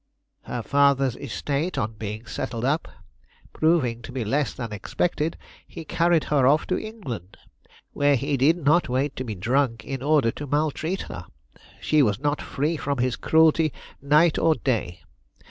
Her father's estate, on being settled up, proving to be less than expected, he carried her off to England, where he did not wait to be drunk in order to maltreat her. She was not free from his cruelty night or day.